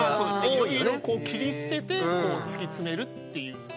いろいろ切り捨てて突き詰めるっていうのが本来。